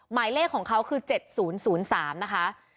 หมายเลขของเขาคือ๗๐๐๓นะคะ